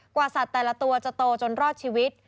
สัตว์แต่ละตัวจะโตจนรอดชีวิต